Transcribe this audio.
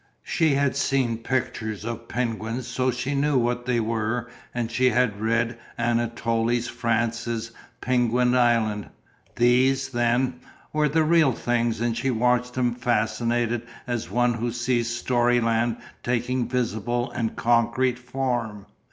She had seen pictures of penguins so she knew what they were and she had read Anatole France's "Penquin Island" these, then, were the real things and she watched them fascinated as one who sees storyland taking visible and concrete form.